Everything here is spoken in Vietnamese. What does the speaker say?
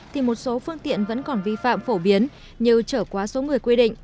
thì một số phương tiện vẫn còn vi phạm phổ biến như trở quá số người quy định